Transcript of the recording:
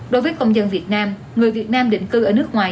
đối với công dân việt nam người việt nam định cư ở nước ngoài